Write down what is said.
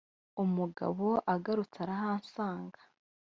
umugabo agarutse arahansanga